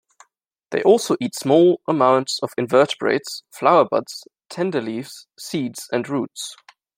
They also eat small amounts of invertebrates, flower buds, tender leaves, seeds, and roots.